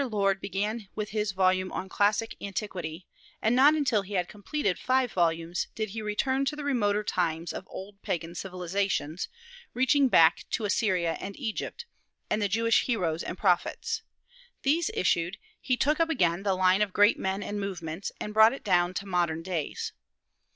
Lord began with his volume on classic "Antiquity," and not until he had completed five volumes did he return to the remoter times of "Old Pagan Civilizations" (reaching back to Assyria and Egypt) and the "Jewish Heroes and Prophets." These issued, he took up again the line of great men and movements, and brought it down to modern days.